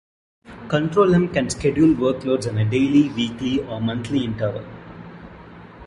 Control-M can schedule workloads on a daily, weekly or monthly interval.